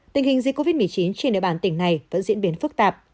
tình hình dịch covid một mươi chín trên nơi bản tỉnh này vẫn diễn biến phức tạp